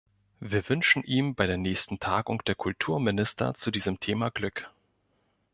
Wir wünschen ihm bei der nächsten Tagung der Kulturminister zu diesem Thema Glück.